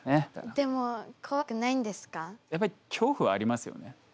でもやっぱり恐怖はありますよね。